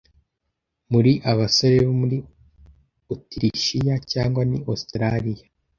Muri abasore bo muri Otirishiya, cyangwa ni Australiya?